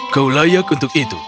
kau layak untuk itu